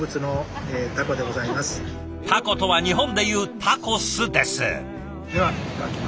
タコとは日本でいうタコスです。